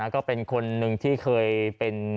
ก็เป็นคนหนึ่งที่เคยเป็น